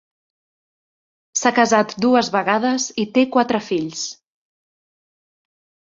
S'ha casat dues vegades i té quatre fills.